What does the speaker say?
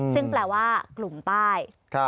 ซึ่งแปลว่ากลุ่มใต้